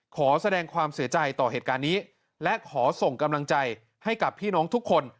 ขอแสดงความเสียใจต่อเหตุการณ์นี้และขอส่งกำลังใจให้กับพี่น้องทุกคน